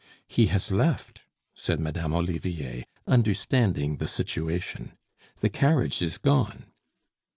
"He has left," said Madame Olivier, understanding the situation. "The carriage is gone."